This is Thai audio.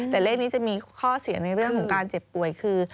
แต่เลขนี้จะมีข้อเสียในเรื่องของการเจ็บป่วยคือ